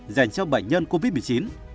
dành cho bệnh nhân covid một mươi chín